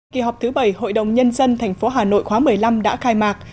kỳ họp thứ bảy hội đồng nhân dân tp hà nội khóa một mươi năm đã khai mạc